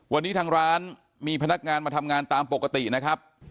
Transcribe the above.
วันนี้ทางร้านมีพนักงานมาทำงานตามปกตินะครับ